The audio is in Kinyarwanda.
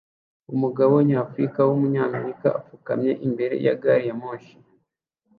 Umugabo nyafrica wumunyamerika apfukamye imbere ya gari ya moshi